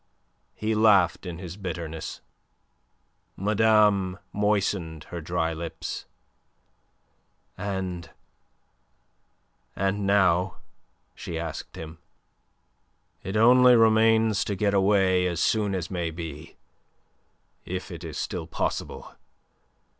He laughed in his bitterness. Madame moistened her dry lips. "And... and now?" she asked him. "It only remains to get away as soon as may be, if it is still possible.